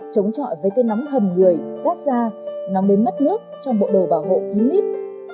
chống trọi với cái nóng hầm người rát da nóng đến mất nước trong bộ đồ bảo hộ khí nít